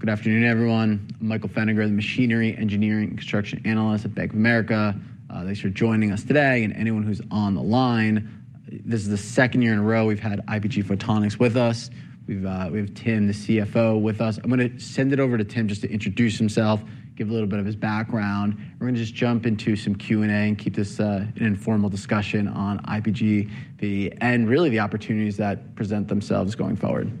Good afternoon, everyone. I'm Michael Feniger, the Machinery Engineering and Construction Analyst at Bank of America. Thanks for joining us today. Anyone who's on the line, this is the second year in a row we've had IPG Photonics with us. We have Tim, the CFO, with us. I'm going to send it over to Tim just to introduce himself, give a little bit of his background. We're going to just jump into some Q&A and keep this an informal discussion on IPG and really the opportunities that present themselves going forward.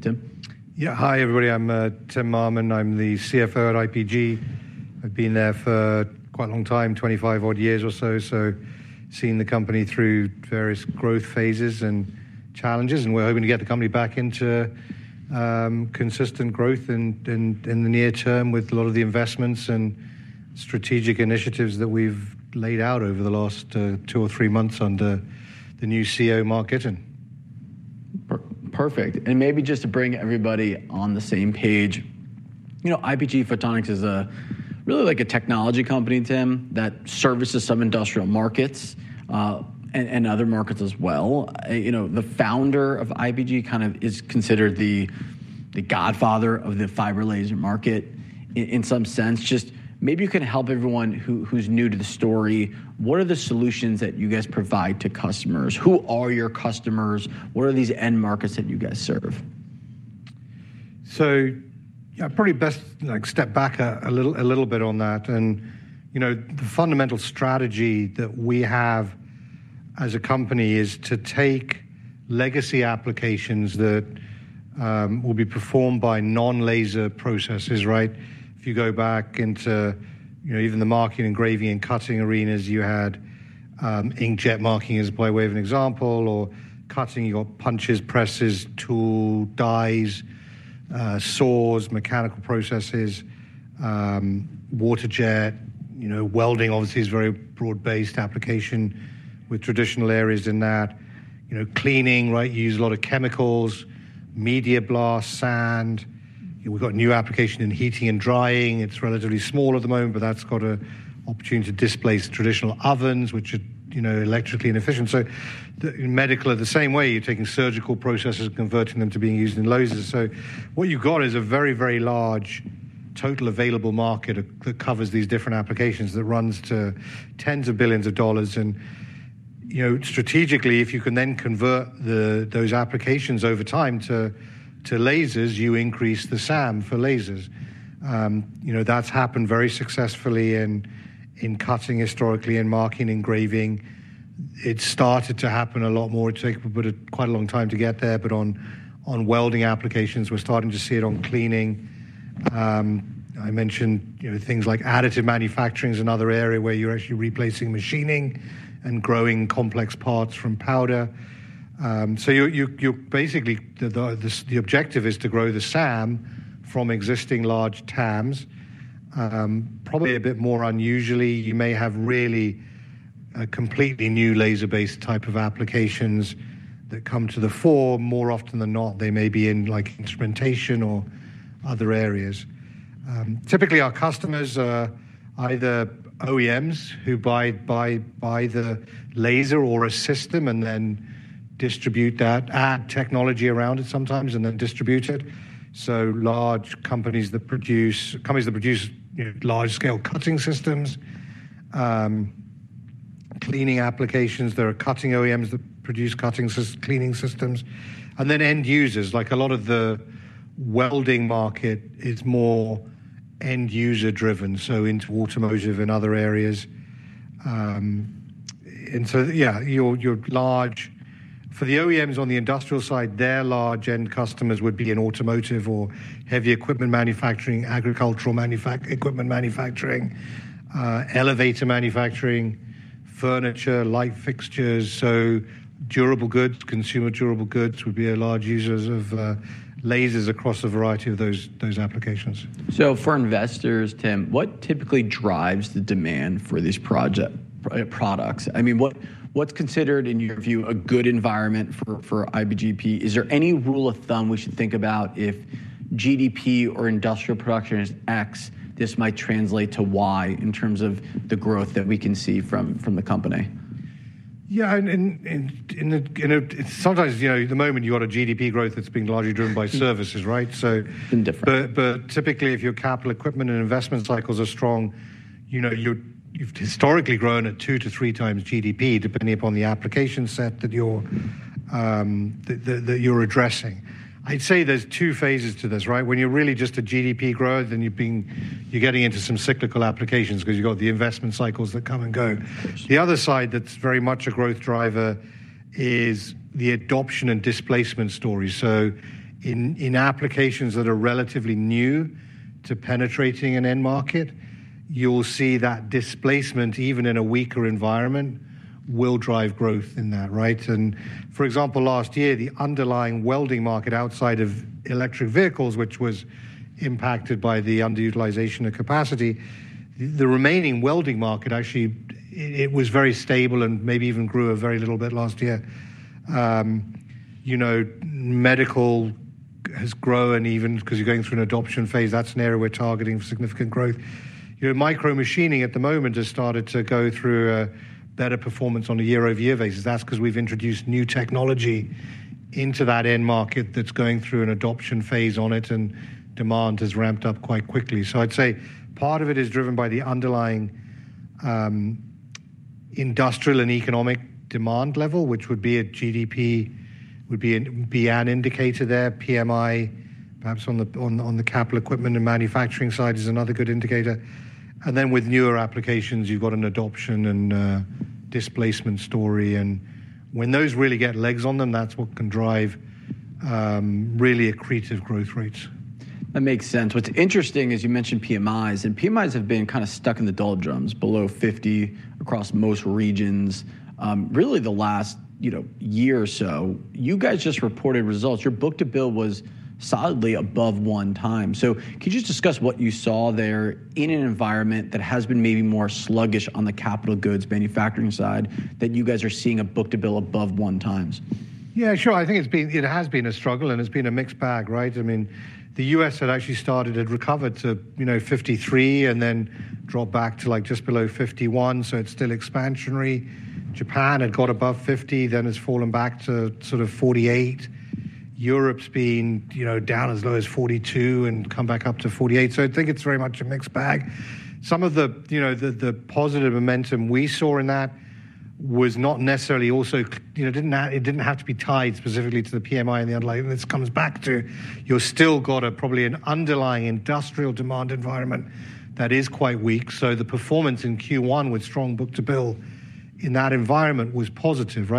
Tim? Yeah, hi, everybody. I'm Tim Mammen. I'm the CFO at IPG. I've been there for quite a long time, 25-odd years or so, so seeing the company through various growth phases and challenges. We're hoping to get the company back into consistent growth in the near term with a lot of the investments and strategic initiatives that we've laid out over the last two or three months under the new CEO Mark Gitin. Perfect. Maybe just to bring everybody on the same page, IPG Photonics is really like a technology company, Tim, that services some industrial markets and other markets as well. The founder of IPG kind of is considered the godfather of the fiber laser market in some sense. Just maybe you can help everyone who's new to the story. What are the solutions that you guys provide to customers? Who are your customers? What are these end markets that you guys serve? I probably best step back a little bit on that. The fundamental strategy that we have as a company is to take legacy applications that would be performed by non-laser processes. If you go back into even the marking and engraving and cutting arenas, you had inkjet marking as a by way of an example, or cutting your punches, presses, tools, dies, saws, mechanical processes, waterjet. Welding, obviously, is a very broad-based application with traditional areas in that. Cleaning, you use a lot of chemicals, media blasts, sand. We have got a new application in heating and drying. It is relatively small at the moment, but that has got an opportunity to displace traditional ovens, which are electrically inefficient. Medical are the same way. You are taking surgical processes and converting them to being used in lasers. What you've got is a very, very large total available market that covers these different applications that runs to tens of billions of dollars. Strategically, if you can then convert those applications over time to lasers, you increase the SAM for lasers. That's happened very successfully in cutting historically and marking and engraving. It's started to happen a lot more. It's taken quite a long time to get there. On welding applications, we're starting to see it on cleaning. I mentioned things like additive manufacturing is another area where you're actually replacing machining and growing complex parts from powder. Basically, the objective is to grow the SAM from existing large TAMs. Probably a bit more unusually, you may have really completely new laser-based type of applications that come to the fore. More often than not, they may be in instrumentation or other areas. Typically, our customers are either OEMs who buy the laser or a system and then distribute that, add technology around it sometimes, and then distribute it. Large companies that produce large-scale cutting systems, cleaning applications. There are cutting OEMs that produce cleaning systems. End users, like a lot of the welding market is more end user driven, into automotive and other areas. Your large, for the OEMs on the industrial side, their large end customers would be in automotive or heavy equipment manufacturing, agricultural equipment manufacturing, elevator manufacturing, furniture, light fixtures. Durable goods, consumer durable goods would be large users of lasers across a variety of those applications. For investors, Tim, what typically drives the demand for these products? I mean, what's considered, in your view, a good environment for IPG? Is there any rule of thumb we should think about if GDP or industrial production is x, this might translate to y in terms of the growth that we can see from the company? Yeah. Sometimes, at the moment, you've got a GDP growth that's been largely driven by services. It's been different. Typically, if your capital equipment and investment cycles are strong, you've historically grown at two to three times GDP, depending upon the application set that you're addressing. I'd say there's two phases to this. When you're really just a GDP growth, then you're getting into some cyclical applications because you've got the investment cycles that come and go. The other side that's very much a growth driver is the adoption and displacement story. In applications that are relatively new to penetrating an end market, you'll see that displacement, even in a weaker environment, will drive growth in that. For example, last year, the underlying welding market outside of electric vehicles, which was impacted by the underutilization of capacity, the remaining welding market, actually, it was very stable and maybe even grew a very little bit last year. Medical has grown, even because you're going through an adoption phase. That's an area we're targeting for significant growth. Micro machining at the moment has started to go through better performance on a year-over-year basis. That's because we've introduced new technology into that end market that's going through an adoption phase on it, and demand has ramped up quite quickly. I'd say part of it is driven by the underlying industrial and economic demand level, which would be a GDP, would be an indicator there. PMI, perhaps on the capital equipment and manufacturing side, is another good indicator. With newer applications, you've got an adoption and displacement story. When those really get legs on them, that's what can drive really accretive growth rates. That makes sense. What's interesting is you mentioned PMIs. And PMIs have been kind of stuck in the doldrums below 50 across most regions really the last year or so. You guys just reported results. Your book to bill was solidly above one time. Could you just discuss what you saw there in an environment that has been maybe more sluggish on the capital goods manufacturing side that you guys are seeing a book to bill above one times? Yeah, sure. I think it has been a struggle, and it's been a mixed bag. I mean, the U.S. had actually started, had recovered to 53 and then dropped back to just below 51. So it's still expansionary. Japan had got above 50, then has fallen back to sort of 48. Europe's been down as low as 42 and come back up to 48. I think it's very much a mixed bag. Some of the positive momentum we saw in that was not necessarily also it didn't have to be tied specifically to the PMI and the other like. This comes back to you've still got probably an underlying industrial demand environment that is quite weak. The performance in Q1 with strong book to bill in that environment was positive.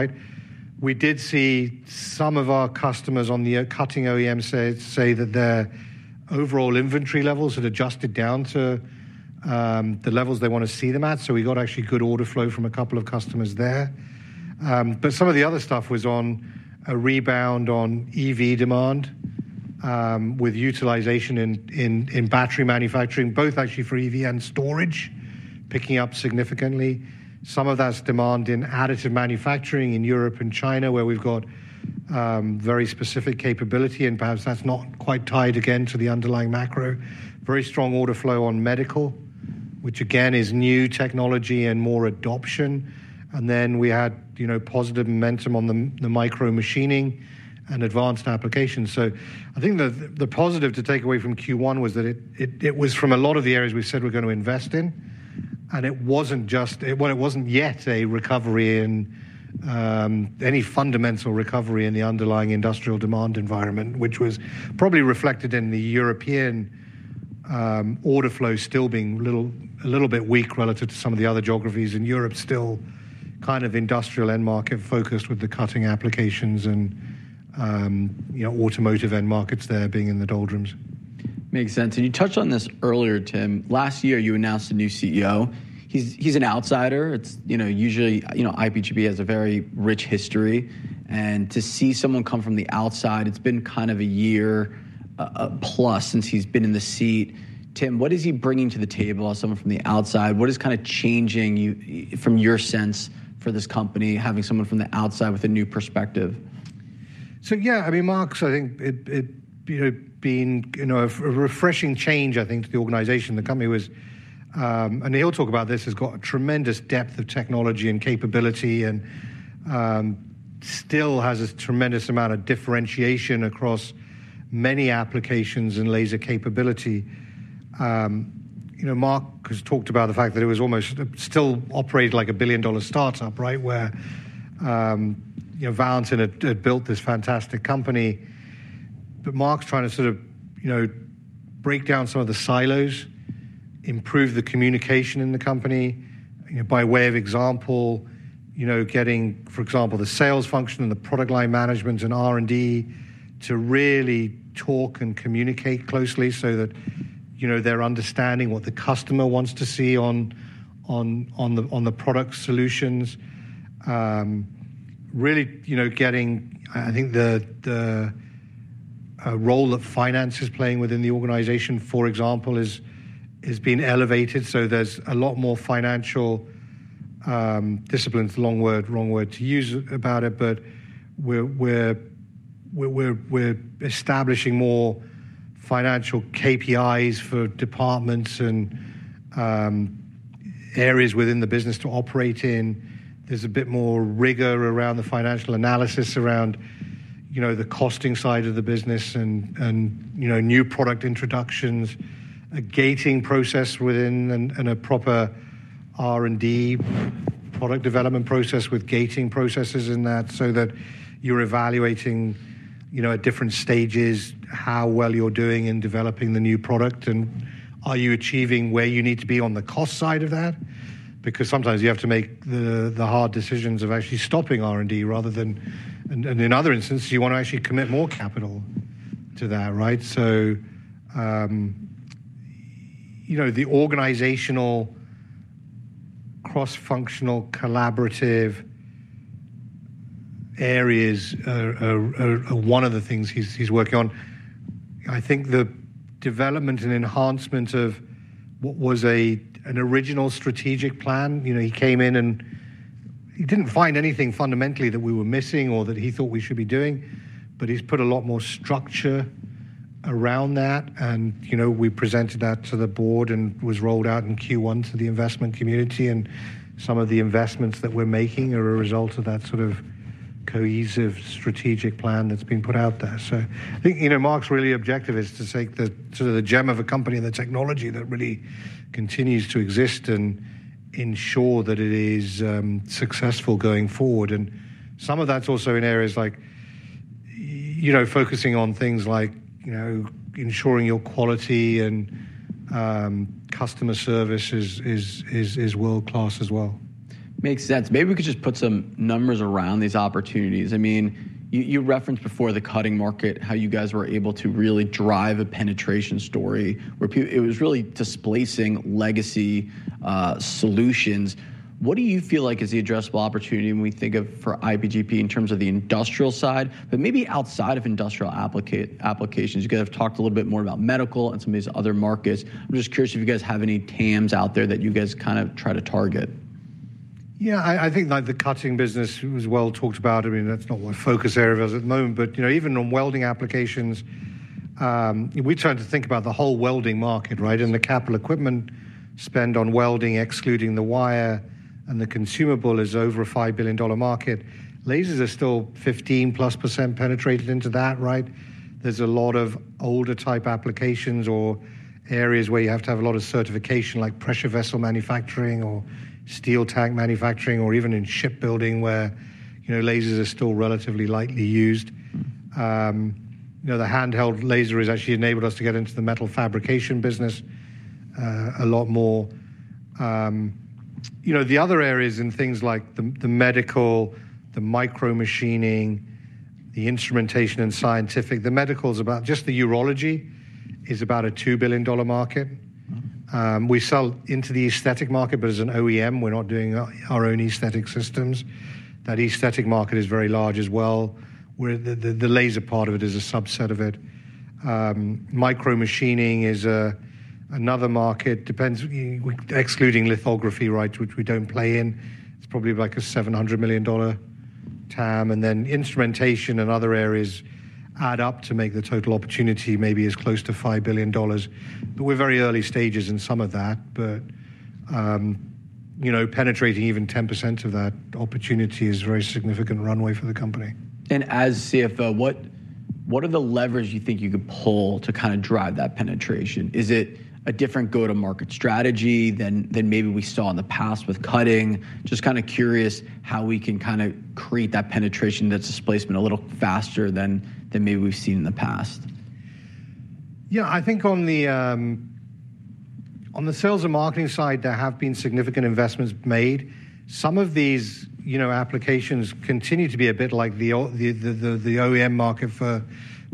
We did see some of our customers on the cutting OEM say that their overall inventory levels had adjusted down to the levels they want to see them at. We got actually good order flow from a couple of customers there. Some of the other stuff was on a rebound on EV demand with utilization in battery manufacturing, both actually for EV and storage, picking up significantly. Some of that is demand in additive manufacturing in Europe and China, where we've got very specific capability. Perhaps that's not quite tied again to the underlying macro. Very strong order flow on medical, which again is new technology and more adoption. We had positive momentum on the micro machining and advanced applications. I think the positive to take away from Q1 was that it was from a lot of the areas we said we're going to invest in. It wasn't just, well, it wasn't yet a recovery in any fundamental recovery in the underlying industrial demand environment, which was probably reflected in the European order flow still being a little bit weak relative to some of the other geographies in Europe, still kind of industrial end market focused with the cutting applications and automotive end markets there being in the doldrums. Makes sense. You touched on this earlier, Tim. Last year, you announced a new CEO. He's an outsider. Usually, IPG has a very rich history. To see someone come from the outside, it's been kind of a year plus since he's been in the seat. Tim, what is he bringing to the table as someone from the outside? What is kind of changing from your sense for this company, having someone from the outside with a new perspective? Yeah, I mean, Mark, I think it being a refreshing change, I think, to the organization and the company was, and he'll talk about this. He's got a tremendous depth of technology and capability and still has a tremendous amount of differentiation across many applications and laser capability. Mark has talked about the fact that it was almost still operated like a billion-dollar startup, where Valentin had built this fantastic company. Mark's trying to sort of break down some of the silos, improve the communication in the company by way of example, getting, for example, the sales function and the product line management and R&D to really talk and communicate closely so that they're understanding what the customer wants to see on the product solutions. Really getting, I think, the role that finance is playing within the organization, for example, has been elevated. There is a lot more financial discipline, long word, wrong word to use about it. We are establishing more financial KPIs for departments and areas within the business to operate in. There is a bit more rigor around the financial analysis around the costing side of the business and new product introductions, a gating process within, and a proper R&D product development process with gating processes in that so that you are evaluating at different stages how well you are doing in developing the new product and are you achieving where you need to be on the cost side of that. Because sometimes you have to make the hard decisions of actually stopping R&D rather than, and in other instances, you want to actually commit more capital to that. The organizational cross-functional collaborative areas are one of the things he is working on. I think the development and enhancement of what was an original strategic plan, he came in and he did not find anything fundamentally that we were missing or that he thought we should be doing. He has put a lot more structure around that. We presented that to the board and it was rolled out in Q1 to the investment community. Some of the investments that we are making are a result of that sort of cohesive strategic plan that has been put out there. I think Mark's really objective is to take the sort of the gem of a company and the technology that really continues to exist and ensure that it is successful going forward. Some of that is also in areas like focusing on things like ensuring your quality and customer service is world-class as well. Makes sense. Maybe we could just put some numbers around these opportunities. I mean, you referenced before the cutting market, how you guys were able to really drive a penetration story where it was really displacing legacy solutions. What do you feel like is the addressable opportunity when we think of for IPGP in terms of the industrial side, but maybe outside of industrial applications? You guys have talked a little bit more about medical and some of these other markets. I'm just curious if you guys have any TAMs out there that you guys kind of try to target. Yeah, I think the cutting business was well talked about. I mean, that's not my focus area at the moment. Even on welding applications, we tend to think about the whole welding market and the capital equipment spend on welding, excluding the wire. The consumable is over a $5 billion market. Lasers are still 15%+ penetrated into that. There's a lot of older type applications or areas where you have to have a lot of certification, like pressure vessel manufacturing or steel tank manufacturing, or even in shipbuilding where lasers are still relatively lightly used. The handheld laser has actually enabled us to get into the metal fabrication business a lot more. The other areas in things like the medical, the micro machining, the instrumentation, and scientific. The medical is about just the urology is about a $2 billion market. We sell into the aesthetic market, but as an OEM, we're not doing our own aesthetic systems. That aesthetic market is very large as well. The laser part of it is a subset of it. Micro machining is another market, excluding lithography, which we don't play in. It's probably like a $700 million TAM. Instrumentation and other areas add up to make the total opportunity maybe as close to $5 billion. We're very early stages in some of that. Penetrating even 10% of that opportunity is a very significant runway for the company. As CFO, what are the levers you think you could pull to kind of drive that penetration? Is it a different go-to-market strategy than maybe we saw in the past with cutting? Just kind of curious how we can kind of create that penetration that's displacement a little faster than maybe we've seen in the past. Yeah, I think on the sales and marketing side, there have been significant investments made. Some of these applications continue to be a bit like the OEM market for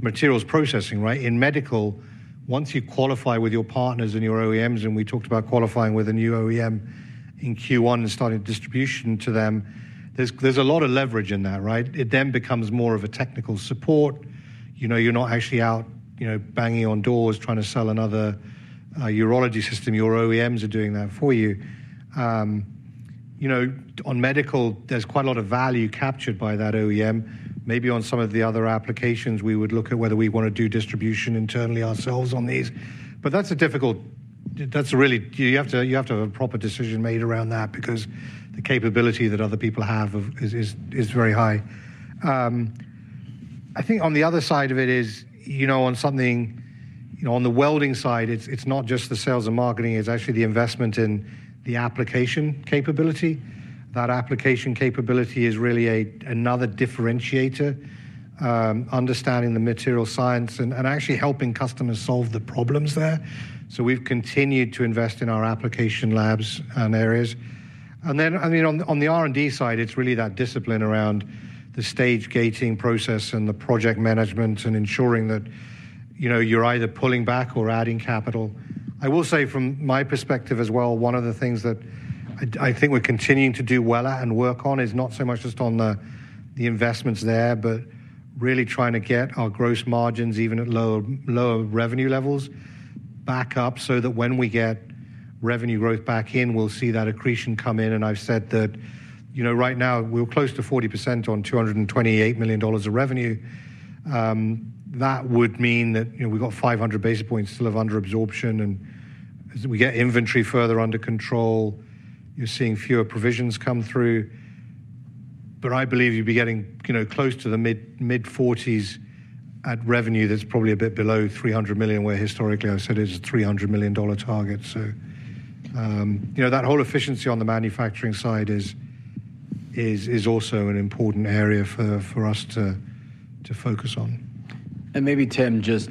materials processing. In medical, once you qualify with your partners and your OEMs, and we talked about qualifying with a new OEM in Q1 and starting distribution to them, there's a lot of leverage in that. It then becomes more of a technical support. You're not actually out banging on doors trying to sell another urology system. Your OEMs are doing that for you. On medical, there's quite a lot of value captured by that OEM. Maybe on some of the other applications, we would look at whether we want to do distribution internally ourselves on these. That is difficult. You really have to have a proper decision made around that because the capability that other people have is very high. I think on the other side of it is on something on the welding side, it's not just the sales and marketing. It's actually the investment in the application capability. That application capability is really another differentiator, understanding the material science and actually helping customers solve the problems there. We have continued to invest in our application labs and areas. On the R&D side, it's really that discipline around the stage gating process and the project management and ensuring that you're either pulling back or adding capital. I will say from my perspective as well, one of the things that I think we're continuing to do well at and work on is not so much just on the investments there, but really trying to get our gross margins even at lower revenue levels back up so that when we get revenue growth back in, we'll see that accretion come in. I've said that right now we're close to 40% on $228 million of revenue. That would mean that we've got 500 basis points still of underabsorption. As we get inventory further under control, you're seeing fewer provisions come through. I believe you'd be getting close to the mid-40s at revenue that's probably a bit below $300 million, where historically I said it's a $300 million target. That whole efficiency on the manufacturing side is also an important area for us to focus on. Maybe, Tim, just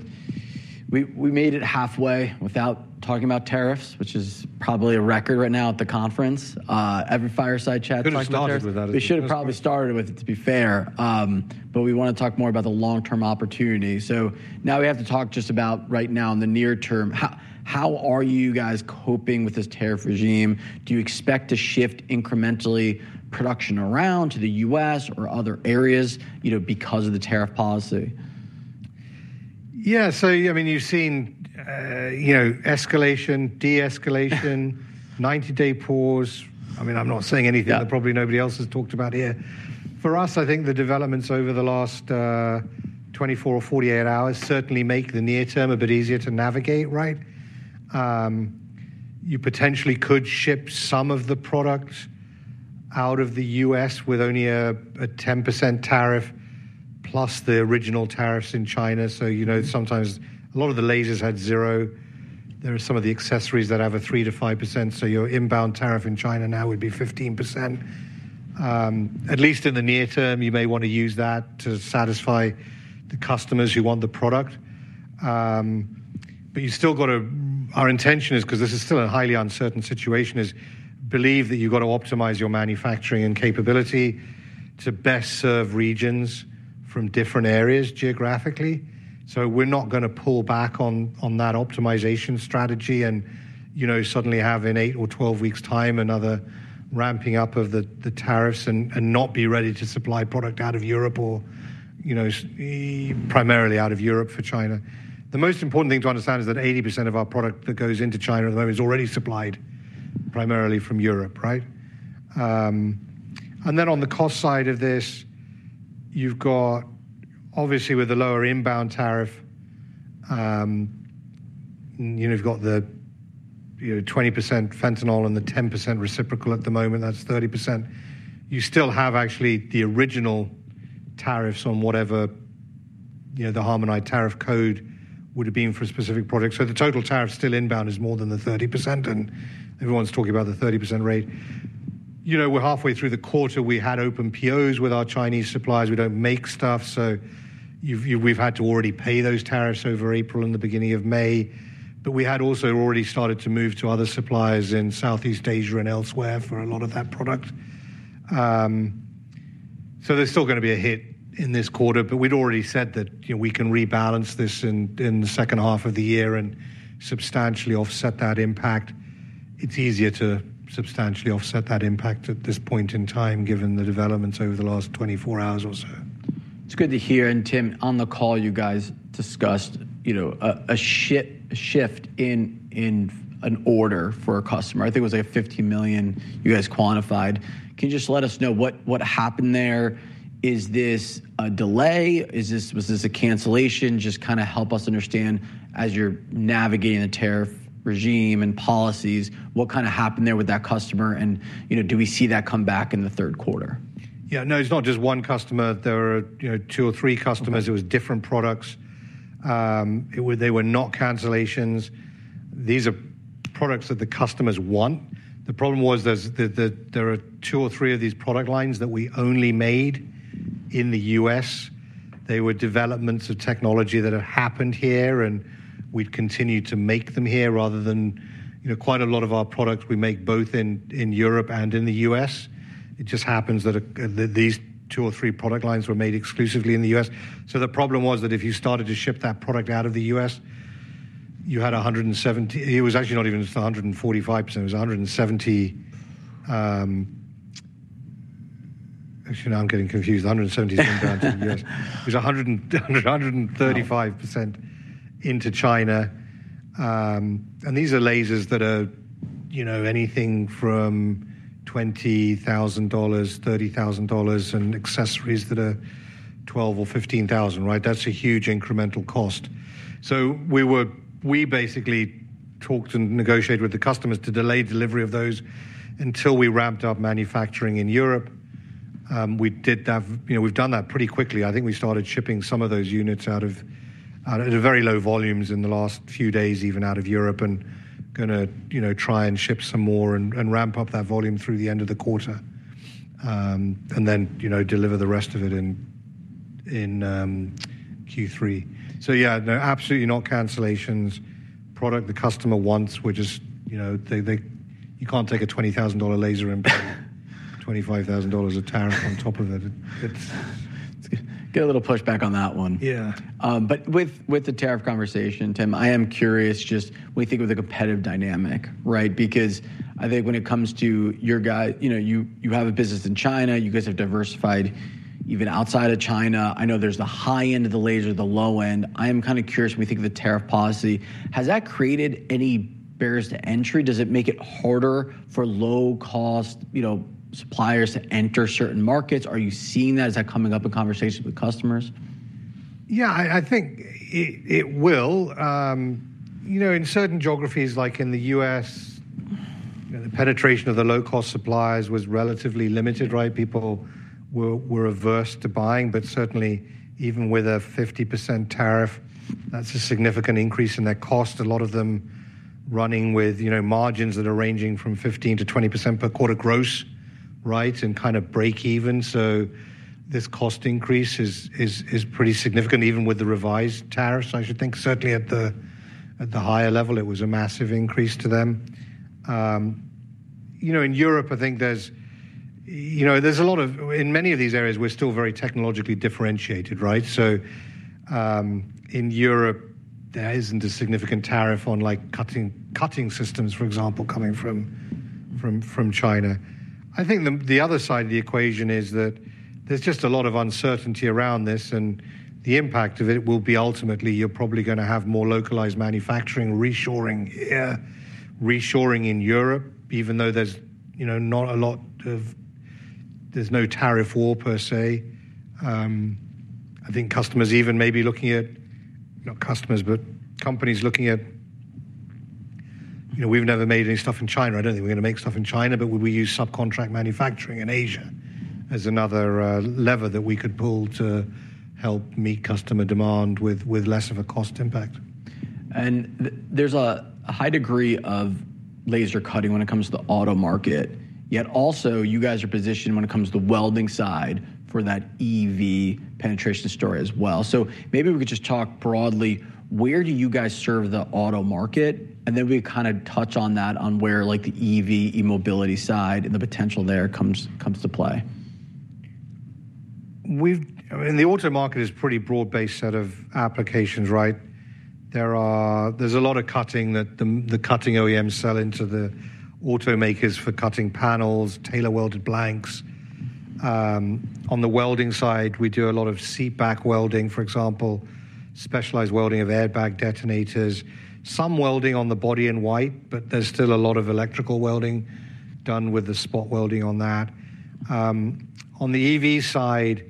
we made it halfway without talking about tariffs, which is probably a record right now at the conference. Every fireside chat talks about it. Couldn't have started with that. We should have probably started with it, to be fair. But we want to talk more about the long-term opportunity. So now we have to talk just about right now in the near term. How are you guys coping with this tariff regime? Do you expect to shift incrementally production around to the U.S. or other areas because of the tariff policy? Yeah, so I mean, you've seen escalation, de-escalation, 90-day pause. I mean, I'm not saying anything that probably nobody else has talked about here. For us, I think the developments over the last 24 or 48 hours certainly make the near term a bit easier to navigate. You potentially could ship some of the product out of the U.S. with only a 10% tariff plus the original tariffs in China. Sometimes a lot of the lasers had zero. There are some of the accessories that have a 3%-5%. Your inbound tariff in China now would be 15%. At least in the near term, you may want to use that to satisfy the customers who want the product. You still got to, our intention is, because this is still a highly uncertain situation, is believe that you've got to optimize your manufacturing and capability to best serve regions from different areas geographically. We're not going to pull back on that optimization strategy and suddenly have in 8 or 12 weeks' time another ramping up of the tariffs and not be ready to supply product out of Europe or primarily out of Europe for China. The most important thing to understand is that 80% of our product that goes into China at the moment is already supplied primarily from Europe. Then on the cost side of this, you've got obviously with the lower inbound tariff, you've got the 20% fentanyl and the 10% reciprocal at the moment. That's 30%. You still have actually the original tariffs on whatever the harmonized tariff code would have been for a specific product. So the total tariff still inbound is more than the 30%. And everyone's talking about the 30% rate. We're halfway through the quarter. We had open POs with our Chinese suppliers. We don't make stuff. So we've had to already pay those tariffs over April and the beginning of May. But we had also already started to move to other suppliers in Southeast Asia and elsewhere for a lot of that product. There's still going to be a hit in this quarter. We had already said that we can rebalance this in the second half of the year and substantially offset that impact. It's easier to substantially offset that impact at this point in time, given the developments over the last 24 hours or so. It's good to hear. Tim, on the call, you guys discussed a shift in an order for a customer. I think it was like a $50 million you guys quantified. Can you just let us know what happened there? Is this a delay? Was this a cancellation? Just kind of help us understand as you're navigating the tariff regime and policies, what kind of happened there with that customer? Do we see that come back in the third quarter? Yeah, no, it's not just one customer. There were two or three customers. It was different products. They were not cancellations. These are products that the customers want. The problem was there are two or three of these product lines that we only made in the U.S. They were developments of technology that had happened here. And we'd continue to make them here rather than quite a lot of our products we make both in Europe and in the U.S. It just happens that these two or three product lines were made exclusively in the U.S. The problem was that if you started to ship that product out of the U.S., you had 170%—it was actually not even 145%. It was 170% actually, now I'm getting confused. 170% is inbound to the U.S. It was 135% into China. These are lasers that are anything from $20,000, $30,000, and accessories that are $12,000 or $15,000. That is a huge incremental cost. We basically talked and negotiated with the customers to delay delivery of those until we ramped up manufacturing in Europe. We did that. We have done that pretty quickly. I think we started shipping some of those units out at very low volumes in the last few days, even out of Europe. We are going to try and ship some more and ramp up that volume through the end of the quarter and then deliver the rest of it in Q3. Absolutely not cancellations. Product the customer wants, which is you cannot take a $20,000 laser and pay $25,000 of tariff on top of it. Get a little pushback on that one. Yeah. With the tariff conversation, Tim, I am curious just when you think of the competitive dynamic, because I think when it comes to your guy, you have a business in China. You guys have diversified even outside of China. I know there's the high end of the laser, the low end. I am kind of curious when we think of the tariff policy, has that created any barriers to entry? Does it make it harder for low-cost suppliers to enter certain markets? Are you seeing that? Is that coming up in conversations with customers? Yeah, I think it will. In certain geographies, like in the U.S., the penetration of the low-cost suppliers was relatively limited. People were averse to buying. Certainly, even with a 50% tariff, that's a significant increase in their cost, a lot of them running with margins that are ranging from 15%-20% per quarter gross and kind of break even. This cost increase is pretty significant, even with the revised tariffs, I should think. Certainly, at the higher level, it was a massive increase to them. In Europe, I think there's a lot of, in many of these areas, we're still very technologically differentiated. In Europe, there isn't a significant tariff on cutting systems, for example, coming from China. I think the other side of the equation is that there's just a lot of uncertainty around this. The impact of it will be ultimately, you're probably going to have more localized manufacturing, reshoring in Europe, even though there's not a lot of, there's no tariff war per se. I think customers even may be looking at, not customers, but companies looking at, we've never made any stuff in China. I don't think we're going to make stuff in China. We use subcontract manufacturing in Asia as another lever that we could pull to help meet customer demand with less of a cost impact. There is a high degree of laser cutting when it comes to the auto market. Yet also, you guys are positioned when it comes to the welding side for that EV penetration story as well. Maybe we could just talk broadly, where do you guys serve the auto market? Then we could kind of touch on that, on where the EV, e-mobility side, and the potential there comes to play. I mean, the auto market is a pretty broad-based set of applications. There's a lot of cutting that the cutting OEMs sell into the automakers for cutting panels, tailor-welded blanks. On the welding side, we do a lot of seatback welding, for example, specialized welding of airbag detonators. Some welding on the body and wipe. There's still a lot of electrical welding done with the spot welding on that. On the EV side,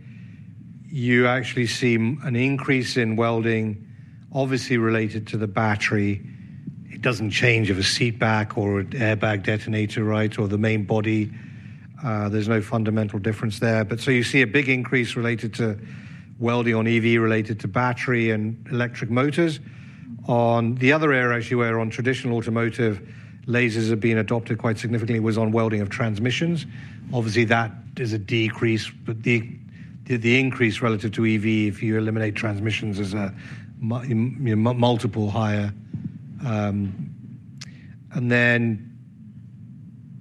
you actually see an increase in welding, obviously related to the battery. It doesn't change of a seatback or an airbag detonator or the main body. There's no fundamental difference there. You see a big increase related to welding on EV related to battery and electric motors. The other area, actually, where on traditional automotive lasers have been adopted quite significantly was on welding of transmissions. Obviously, that is a decrease. The increase relative to EV, if you eliminate transmissions, is a multiple higher. There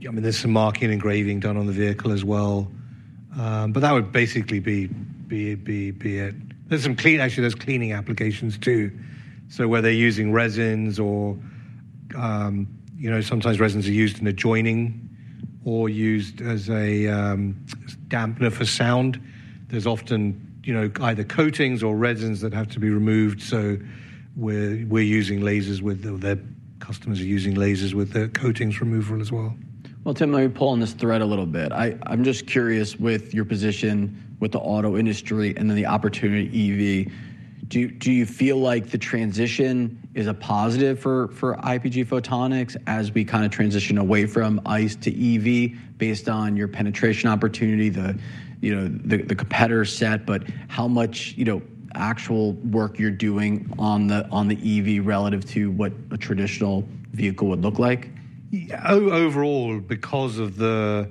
is some marking and engraving done on the vehicle as well. That would basically be it. There is some cleaning actually, there are cleaning applications too. Whether they are using resins or sometimes resins are used in adjoining or used as a dampener for sound, there is often either coatings or resins that have to be removed. We are using lasers, or their customers are using lasers, with their coatings removal as well. Tim, let me pull on this thread a little bit. I'm just curious with your position with the auto industry and then the opportunity EV. Do you feel like the transition is a positive for IPG Photonics as we kind of transition away from ICE to EV based on your penetration opportunity, the competitor set? How much actual work you're doing on the EV relative to what a traditional vehicle would look like? Overall, because of the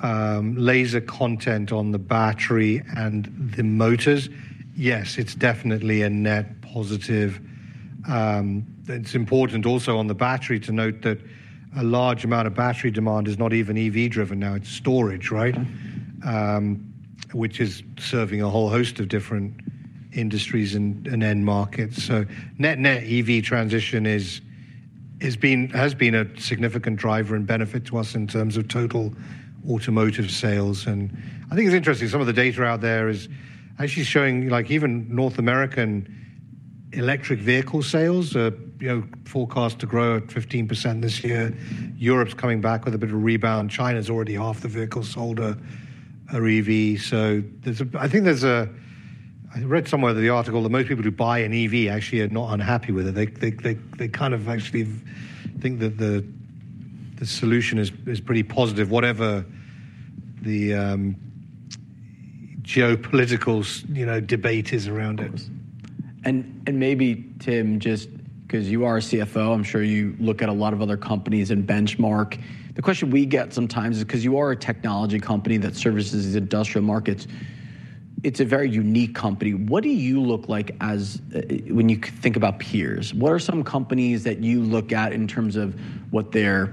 laser content on the battery and the motors, yes, it's definitely a net positive. It's important also on the battery to note that a large amount of battery demand is not even EV-driven now. It's storage, which is serving a whole host of different industries and end markets. Net EV transition has been a significant driver and benefit to us in terms of total automotive sales. I think it's interesting. Some of the data out there is actually showing even North American electric vehicle sales are forecast to grow at 15% this year. Europe's coming back with a bit of rebound. China's already half the vehicle sold are EV. I think there's a I read somewhere in the article that most people who buy an EV actually are not unhappy with it. They kind of actually think that the solution is pretty positive, whatever the geopolitical debate is around it. Maybe, Tim, just because you are a CFO, I'm sure you look at a lot of other companies and benchmark. The question we get sometimes is because you are a technology company that services industrial markets, it's a very unique company. What do you look like as when you think about peers? What are some companies that you look at in terms of what they're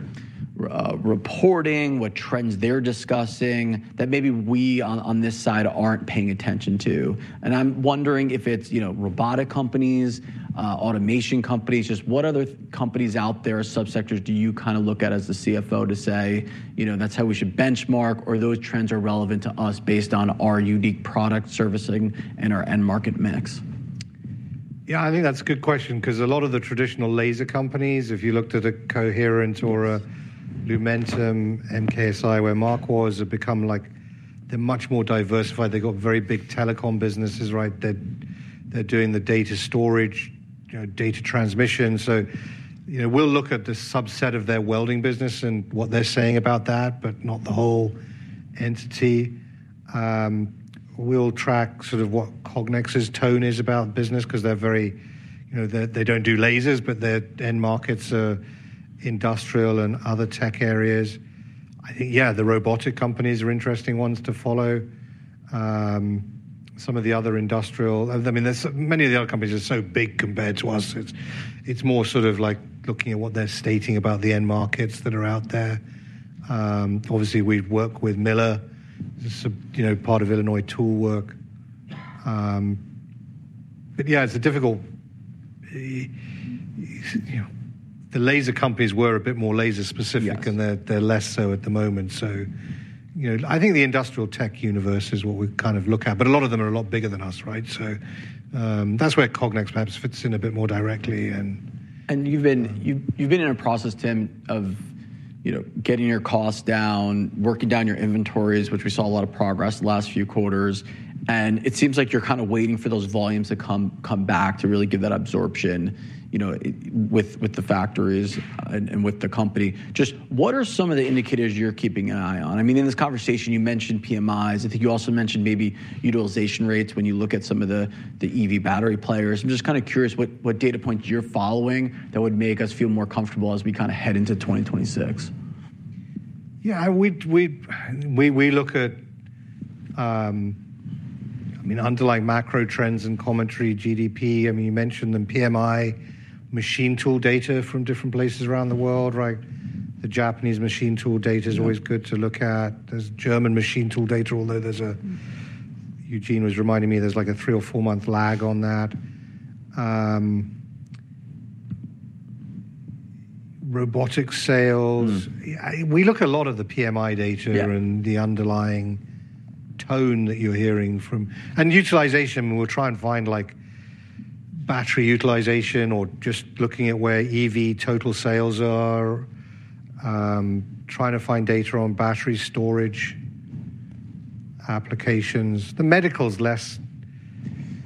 reporting, what trends they're discussing that maybe we on this side aren't paying attention to? I'm wondering if it's robotic companies, automation companies, just what other companies out there, subsectors do you kind of look at as the CFO to say, that's how we should benchmark or those trends are relevant to us based on our unique product servicing and our end market mix? Yeah, I think that's a good question because a lot of the traditional laser companies, if you looked at a Coherent or a Lumentum and KSI, where Mark [was] have become like they're much more diversified. They've got very big telecom businesses that they're doing the data storage, data transmission. So we'll look at the subset of their welding business and what they're saying about that, but not the whole entity. We'll track sort of what Cognex's tone is about business because they're very they don't do lasers, but their end markets are industrial and other tech areas. I think, yeah, the robotic companies are interesting ones to follow. Some of the other industrial I mean, many of the other companies are so big compared to us. It's more sort of like looking at what they're stating about the end markets that are out there. Obviously, we work with Miller. It's part of Illinois Tool Works. Yeah, it's difficult. The laser companies were a bit more laser specific, and they're less so at the moment. I think the industrial tech universe is what we kind of look at. A lot of them are a lot bigger than us. That's where Cognex perhaps fits in a bit more directly. You have been in a process, Tim, of getting your costs down, working down your inventories, which we saw a lot of progress the last few quarters. It seems like you are kind of waiting for those volumes to come back to really give that absorption with the factories and with the company. What are some of the indicators you are keeping an eye on? I mean, in this conversation, you mentioned PMIs. I think you also mentioned maybe utilization rates when you look at some of the EV battery players. I am just kind of curious what data points you are following that would make us feel more comfortable as we kind of head into 2026. Yeah, we look at, I mean, underlying macro trends and commentary, GDP. I mean, you mentioned them. PMI, machine tool data from different places around the world. The Japanese machine tool data is always good to look at. There is German machine tool data, although Eugene was reminding me there is like a three or four-month lag on that. Robotics sales. We look at a lot of the PMI data and the underlying tone that you are hearing from. Utilization, we will try and find battery utilization or just looking at where EV total sales are, trying to find data on battery storage applications. The medical is less,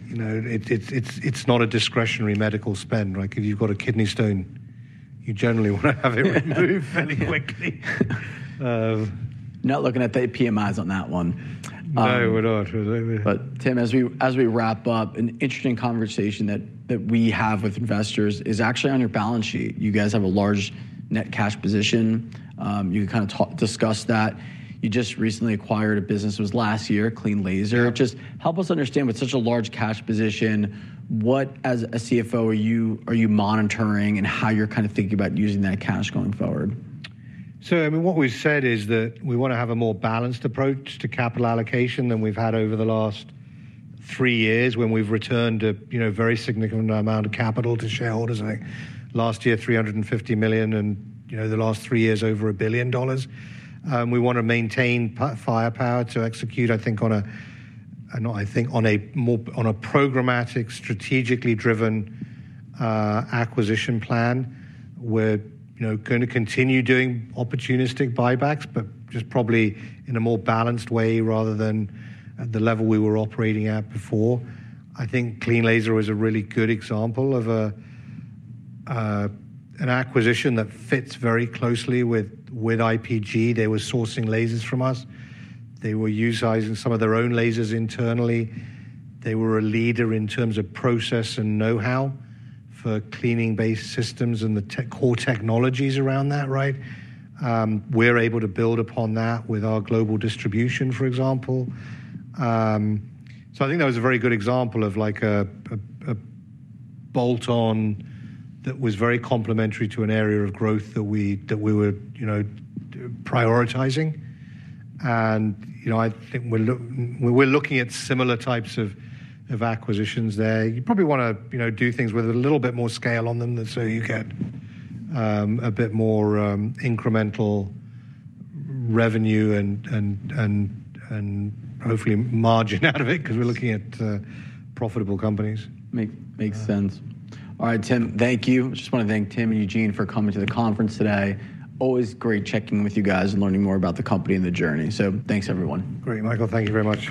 it is not a discretionary medical spend. If you have got a kidney stone, you generally want to have it removed fairly quickly. Not looking at the PMIs on that one. No, we're not. Tim, as we wrap up, an interesting conversation that we have with investors is actually on your balance sheet. You guys have a large net cash position. You can kind of discuss that. You just recently acquired a business. It was last year, cleanLASER. Just help us understand with such a large cash position, what, as a CFO, are you monitoring and how you're kind of thinking about using that cash going forward? I mean, what we've said is that we want to have a more balanced approach to capital allocation than we've had over the last three years when we've returned a very significant amount of capital to shareholders. Last year, $350 million. In the last three years, over $1 billion. We want to maintain firepower to execute, I think, on a programmatic, strategically driven acquisition plan. We're going to continue doing opportunistic buybacks, but just probably in a more balanced way rather than at the level we were operating at before. I think cleanLASER is a really good example of an acquisition that fits very closely with IPG. They were sourcing lasers from us. They were utilizing some of their own lasers internally. They were a leader in terms of process and know-how for cleaning-based systems and the core technologies around that. We're able to build upon that with our global distribution, for example. I think that was a very good example of a bolt-on that was very complementary to an area of growth that we were prioritizing. I think we're looking at similar types of acquisitions there. You probably want to do things with a little bit more scale on them so you get a bit more incremental revenue and hopefully margin out of it because we're looking at profitable companies. Makes sense. All right, Tim, thank you. I just want to thank Tim and Eugene for coming to the conference today. Always great checking in with you guys and learning more about the company and the journey. Thanks, everyone. Great, Michael. Thank you very much.